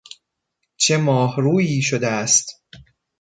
چه ماهرویی شده است!